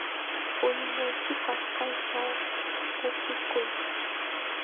Puñunaykipaq kaychaw qupikuy.